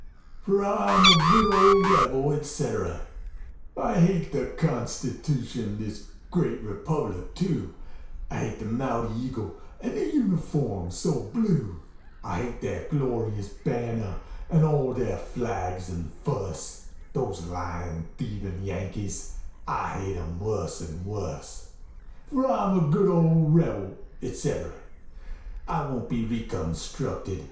For I'm a good old rebel, etc. I hate the constitooshin, this great republic too; I hate the mouty eagle, an' the uniform so blue; I hate their glorious banner, an' all their flags an' fuss, Those lyin', thievin' Yankees, I hate 'em wuss an' wuss. For I'm a good old rebel, etc. I won't be re constructed!